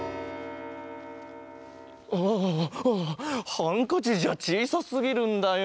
あハンカチじゃちいさすぎるんだよ。